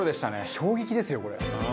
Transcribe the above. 衝撃ですよこれ。